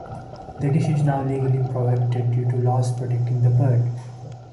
The dish is now legally prohibited due to laws protecting the bird.